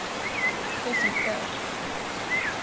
То сам хтео?